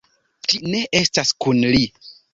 Ŝi ne estas kun li.